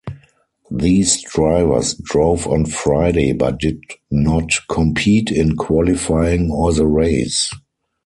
These drivers drove on Friday but did not compete in qualifying or the race.